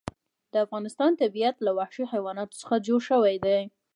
د افغانستان طبیعت له وحشي حیواناتو څخه جوړ شوی دی.